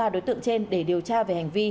ba đối tượng trên để điều tra về hành vi